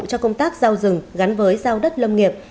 cho công tác giao rừng gắn với giao đất lâm nghiệp